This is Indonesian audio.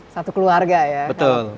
satu keluarga ya betul